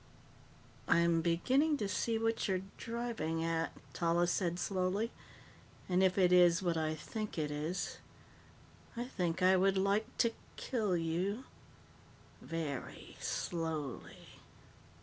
"I'm beginning to see what you're driving at," Tallis said slowly. "And if it is what I think it is, I think I would like to kill you very slowly."